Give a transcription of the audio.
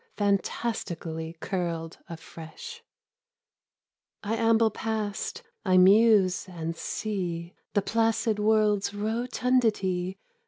Fantastically curled afresh. I amble past, I muse and see The placid world's rotundity no The Fat Woman.